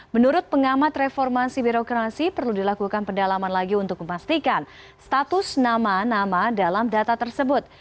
menurut pengamat reformasi birokrasi perlu dilakukan pendalaman lagi untuk memastikan status nama nama dalam data tersebut